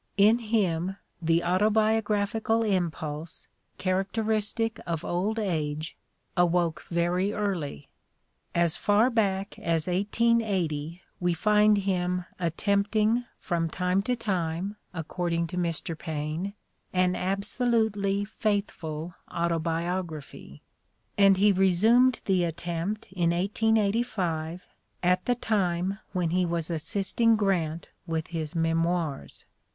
In him the autobiograph ical impulse, characteristic of old age, awoke very early : as far back as 1880 we find him "attempting, from time to time," according to Mr. Paine, "an absolutely faithful autobiography"; and he resumed the attempt in 1885, at the time when he was assisting Grant with his Memoirs.